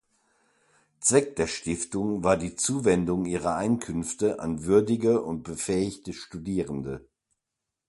Zweck der Stiftung war die Zuwendung ihrer Einkünfte an würdige und befähigte Studierende.